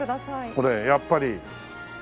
これやっぱり。